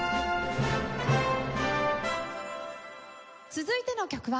続いての曲は。